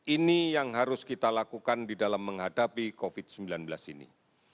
ini yang harus kita lakukan di dalam menghadapi covid sembilan belas ini